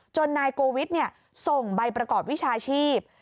นายโกวิทส่งใบประกอบวิชาชีพ